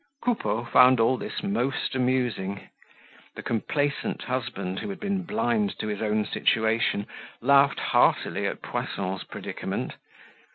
Coupeau found all this most amusing. The complacent husband who had been blind to his own situation laughed heartily at Poisson's predicament.